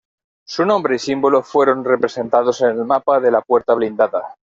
Su nombre y símbolo fueron representados en el Mapa de la Puerta Blindada.